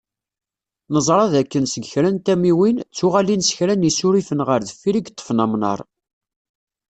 Neẓra d akken seg kra n tamiwin, d tuɣalin s kra n yisurifen ɣer deffir i yeṭṭfen amnaṛ.